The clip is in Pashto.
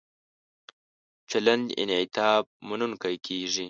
چلند انعطاف مننونکی کیږي.